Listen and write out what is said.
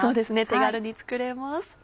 手軽に作れます。